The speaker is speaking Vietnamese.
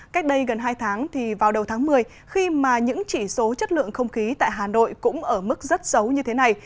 cách đây gần hai tháng thì vào đầu tháng một mươi khi mà những chỉ số chất lượng không khí tại hà nội cũng ở mức rất xấu như thế này